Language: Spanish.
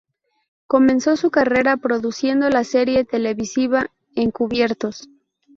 Comenzó su carrera produciendo la serie televisiva Encubiertos.